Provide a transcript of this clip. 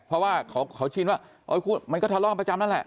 เพราะว่าเขาชินว่ามันก็ทะเลาะกันประจำนั่นแหละ